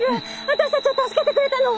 私たちを助けてくれたの！